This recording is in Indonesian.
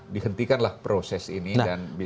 dihentikanlah proses ini dan bisa hitungin